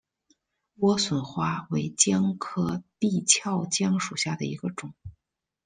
莴笋花为姜科闭鞘姜属下的一个种。